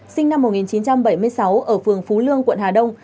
sinh năm một nghìn chín trăm bảy mươi sáu ở phường phú lương quận hà đông